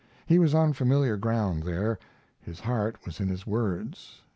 He was on familiar ground there. His heart was in his words.